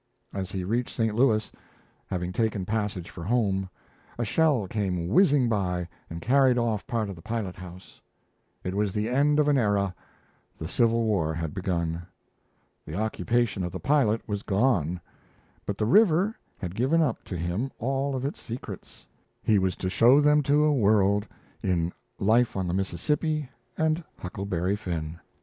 As he reached St. Louis, having taken passage for home, a shell came whizzing by and carried off part of the pilot house. It was the end of an era: the Civil War had begun. The occupation of the pilot was gone; but the river had given up to him all of its secrets. He was to show them to a world, in 'Life on the Mississippi' and 'Huckleberry Finn'.